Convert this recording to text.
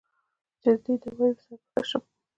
چې د دې دوائي سره به زۀ ښۀ شم